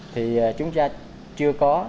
thì chúng ta chưa có